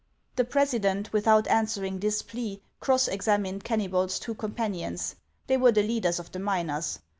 The president, without answering this plea, cross exam ined Kennybol's two companions ; they were the leaders of the miners.